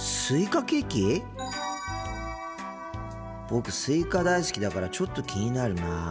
僕スイカ大好きだからちょっと気になるな。